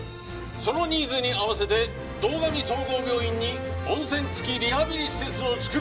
そのニーズに合わせて堂上総合病院に温泉付きリハビリ施設を造る。